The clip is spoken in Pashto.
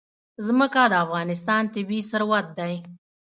ځمکه د افغانستان طبعي ثروت دی.